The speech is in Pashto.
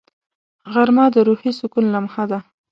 غرمه د روحي سکون لمحه ده